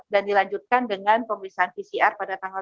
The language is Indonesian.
dan dilanjutkan dengan pemeriksaan pcr pada tanggal dua puluh empat